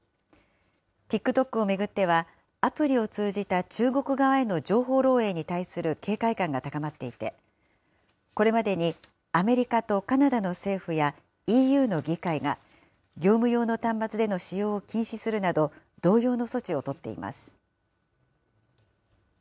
ＴｉｋＴｏｋを巡っては、アプリを通じた中国側への情報漏えいに対する警戒感が高まっていて、これまでにアメリカとカナダの政府や、ＥＵの議会が、業務用の端末での使用を禁止するなど、同様の措置を取っています。